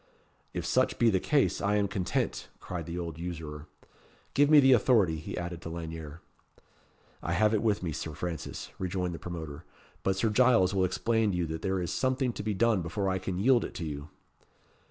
"If such be the case, I am content," cried the old usurer. "Give me the authority," he added to Lanyere. "I have it with me, Sir Francis," rejoined the promoter; "but Sir Giles will explain to you that there is something to be done before I can yield it to you."